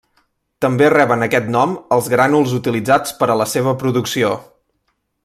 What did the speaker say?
També reben aquest nom els grànuls utilitzats per a la seva producció.